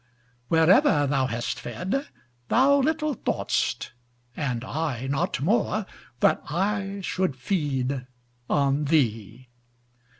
Wherever thou hast fed, thou little thought'st, And I not more, that I should feed on thee.